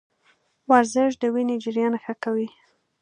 ورزش د وینې جریان ښه کوي.